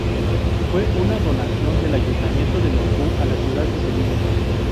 Fue una donación del Ayuntamiento de Moscú a la ciudad de Sevilla.